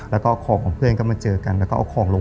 แล้วก็ของของเพื่อนก็มาเจอกันแล้วก็เอาของลง